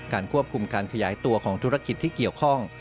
ควบคุมการขยายตัวของธุรกิจที่เกี่ยวข้อง